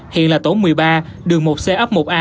hiện là tổ một mươi ba đường một c ấp một a